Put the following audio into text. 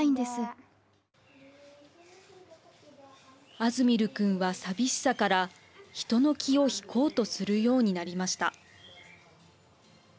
アズミル君は寂しさから人の気を引こうとするようになりました。